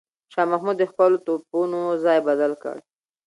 شاه محمود د خپلو توپونو ځای بدل کړ.